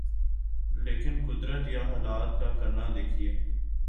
لیکن قدرت یا حالات کا کرنا دیکھیے۔